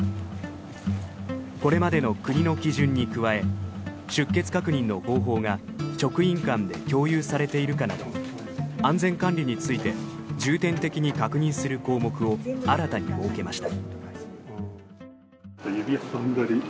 これまでの国の基準に加え出欠確認の方法が職員間で共有されているかなど安全管理について重点的に確認する項目を新たに設けました。